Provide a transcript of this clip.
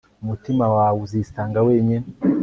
Umutima wawe uzisanga wenyine